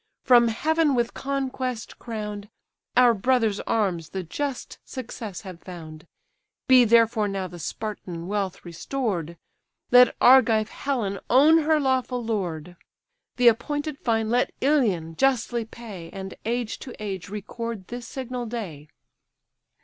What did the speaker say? from Heaven with conquest crown'd, Our brother's arms the just success have found: Be therefore now the Spartan wealth restor'd, Let Argive Helen own her lawful lord; The appointed fine let Ilion justly pay, And age to age record this signal day."